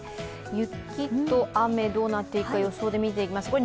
雪と雨、どうなっていくか予想で見ていきます。